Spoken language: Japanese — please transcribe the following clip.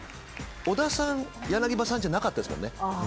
織田さん、柳葉さんじゃなかったですもんね。